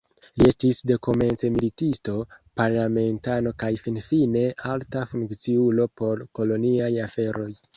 Li estis dekomence militisto, parlamentano kaj finfine alta funkciulo por koloniaj aferoj.